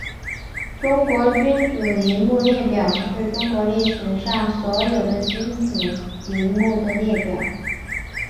中国君主陵墓列表是中国历史上所有的君主陵墓的列表。